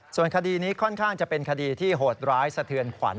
ส่วนคดีนี้ค่อนข้างจะเป็นคดีที่โหดร้ายสะเทือนขวัญ